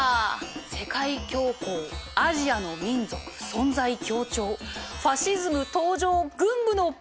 世界恐慌アジアの民族存在強調ファシズム登場軍部の暴走。